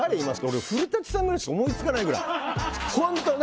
俺、古舘さんくらいしか思いつかない。